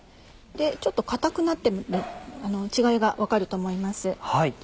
ちょっと固くなって違いが分かると思います。